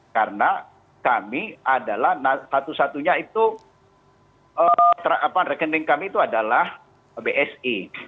karena kami adalah satu satunya itu rekening kami itu adalah bsi